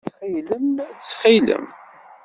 Ttxil-m! Ttxil-m!